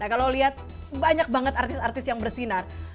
kalau lihat banyak banget artis artis yang bersinar